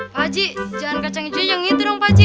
pak aji jangan kacang hijau yang itu dong pak aji